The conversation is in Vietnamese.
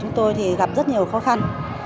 chúng tôi thì gặp rất nhiều khó khăn